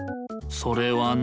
それはな。